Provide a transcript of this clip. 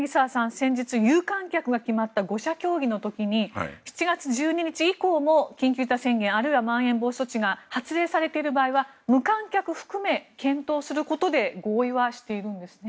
先日、有観客が決まった５者協議の時に７月１２日以降も緊急事態宣言あるいはまん延防止措置が発令されている場合は無観客含め検討することで合意はしているんですね。